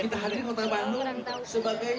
kita hadir di kota bandung sebagai